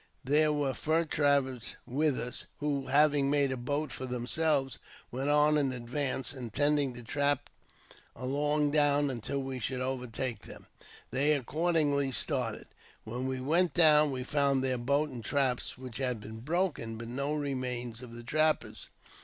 There were fur trappers with us, who, having made a boat for themselves, went on in advance, intending to trap along down until we should overtake them. They accordingly started. When we went down we found their boat and traps, which had been broken, but no 'remains of the trappers.